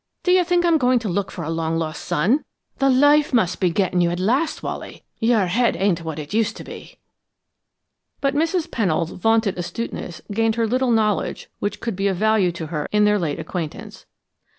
Do you think I'm goin' lookin' for a long lost son? The life must be gettin' you at last, Wally! Your head ain't what it used to be." But Mrs. Pennold's vaunted astuteness gained her little knowledge which could be of value to her in their late acquaintance. Mrs.